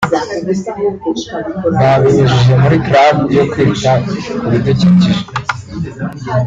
babinyujije muri Club yo kwita ku bidukikije